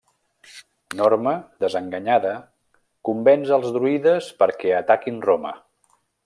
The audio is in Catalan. Norma, desenganyada, convenç els druides perquè ataquin Roma.